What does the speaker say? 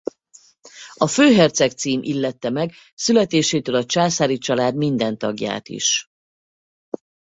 A főherceg cím illette meg születésétől a császári család minden tagját is.